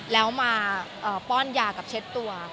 แล้วมาป้อนยากับเช็ดตัว